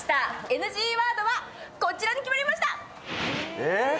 ＮＧワードはこちらになりました。